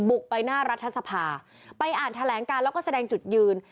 ไปหน้ารัฐสภาไปอ่านแถลงการแล้วก็แสดงจุดยืน